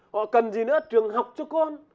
họ cần gì nữa trường học cho con